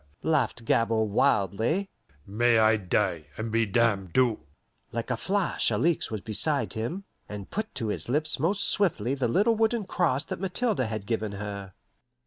laughed Gabord wildly. "May I die and be damned to " Like a flash Alixe was beside him, and put to his lips most swiftly the little wooden cross that Mathilde had given her.